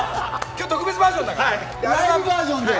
今日、特別バージョン。